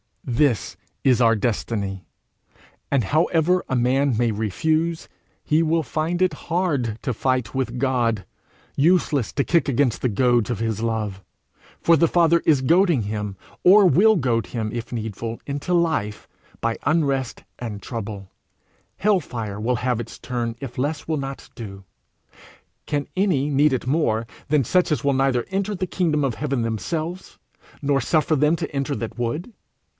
This is our destiny; and however a man may refuse, he will find it hard to fight with God useless to kick against the goads of his love. For the Father is goading him, or will goad him, if needful, into life by unrest and trouble; hell fire will have its turn if less will not do: can any need it more than such as will neither enter the kingdom of heaven themselves, nor suffer them to enter it that would?